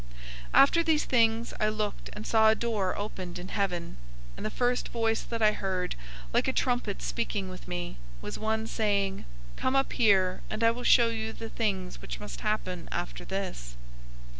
004:001 After these things I looked and saw a door opened in heaven, and the first voice that I heard, like a trumpet speaking with me, was one saying, "Come up here, and I will show you the things which must happen after this."